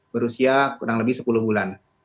berusia kurang lebih sepuluh bulan